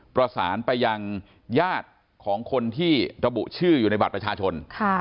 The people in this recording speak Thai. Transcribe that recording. ประสานไปยังญาติของคนที่ระบุชื่ออยู่ในบัตรประชาชน